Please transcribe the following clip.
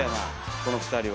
この２人は。